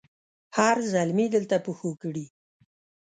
هر زلمي دلته پښو کړي